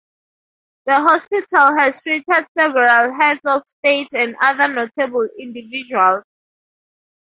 The hospital has treated several heads of state and other notable individuals.